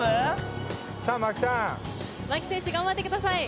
牧選手頑張ってください。